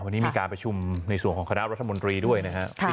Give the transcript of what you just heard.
วันนี้มีการประชุมในส่วนของคณะรัฐมนตรีด้วยนะครับ